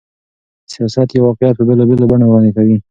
سياست يو واقعيت په بېلابېلو بڼو وړاندې کوي.